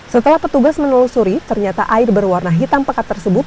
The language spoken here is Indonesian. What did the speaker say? setelah petugas menelusuri ternyata air berwarna hitam pekat tersebut